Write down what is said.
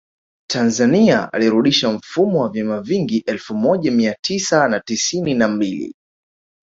Tanzania ilirudisha mfumo wa vyama vingi elfu moja Mia tisa na tisini na mbili